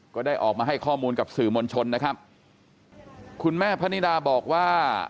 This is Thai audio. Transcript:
ก็ได้ออกมาให้ข้อมูลกับสื่อมวลชนนะครับคุณแม่พนิดาบอกว่า